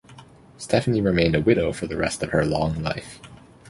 Stephanie remained a widow for the rest of her long life.